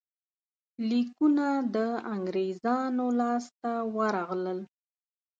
لیکونه د انګرېزانو لاسته ورغلل.